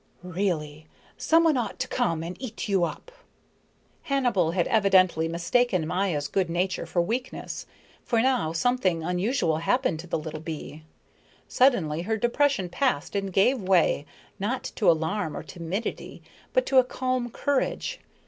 "Really, someone ought to come and eat you up." Hannibal had evidently mistaken Maya's good nature for weakness. For now something unusual happened to the little bee. Suddenly her depression passed and gave way, not to alarm or timidity, but to a calm courage.